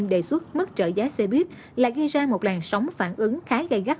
đề xuất mất trợ giá xe buýt lại gây ra một làn sóng phản ứng khá gây gắt